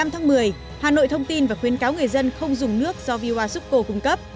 một mươi tháng một mươi hà nội thông tin và khuyến cáo người dân không dùng nước do viasupco cung cấp